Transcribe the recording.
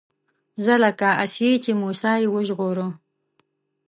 زه لکه آسيې چې موسی يې وژغوره